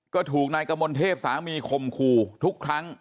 ก็ถูกนายกมลเทพสามีคมคู่ทุกครั้ง